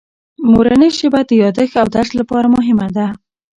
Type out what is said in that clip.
مورنۍ ژبه د یادښت او درس لپاره مهمه ده.